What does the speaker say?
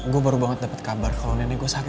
gua baru banget dapat kabar kalau nenek gua sakit